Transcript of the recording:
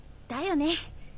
だよね。